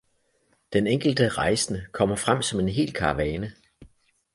Den enkelte rejsende kommer frem som en hel karavane